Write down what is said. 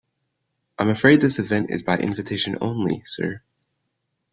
I'm afraid this event is by invitation only, sir.